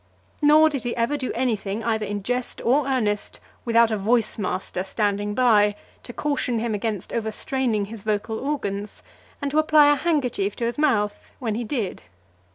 Nor did he ever do any thing either in jest or earnest, without a voice master standing by him to caution him against overstraining his vocal organs, and to apply a handkerchief to his mouth when he did.